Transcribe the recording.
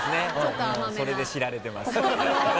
それで知られてます。